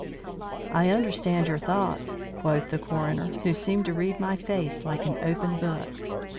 "I understand your thoughts," quoth the coroner, who seemed to read my face like an open book.